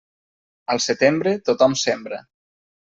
Al setembre, tothom sembra.